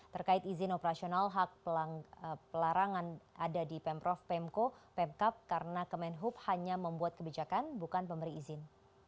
terkait izin operasional hak pelarangan ada di pemprov pemko pemkap karena kemenhub hanya membuat kebijakan bukan pemberi izin